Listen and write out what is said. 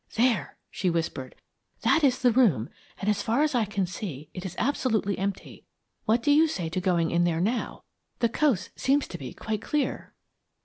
"There," she whispered, "that is the room, and, as far as I can see, it is absolutely empty. What do you say to going in there now? The coast seems to be quite clear."